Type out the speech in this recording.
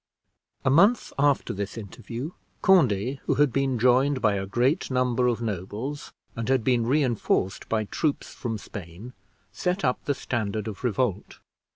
A month after this interview, Conde, who had been joined by a great number of nobles, and had been re enforced by troops from Spain, set up the standard of revolt.